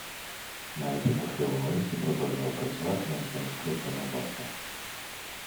Навіть у похилому віці продовжував працювати над манускриптами батька.